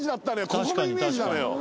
ここのイメージなのよ。